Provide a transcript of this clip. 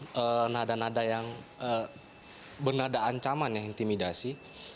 itu nada nada yang bernada ancaman yang intimidasi